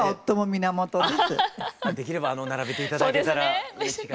できれば並べて頂けたらうれしいかなと。